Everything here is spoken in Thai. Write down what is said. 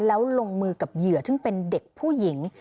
แล้วลงมือกับเหยื่อซึ่งเป็นเด็กผู้หญิง